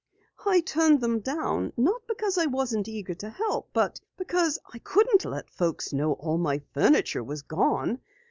"I turned them down, not because I wasn't eager to help, but because I couldn't let folks know all my furniture was gone.